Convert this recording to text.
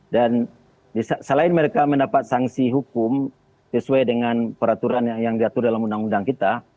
dan selain mereka mendapat sanksi hukum sesuai dengan peraturan yang diatur dalam undang undang kita